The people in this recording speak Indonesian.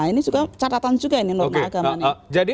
ini juga catatan juga ini norma agama nih